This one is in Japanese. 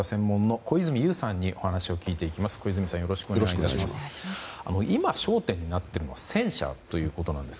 小泉さんよろしくお願いします。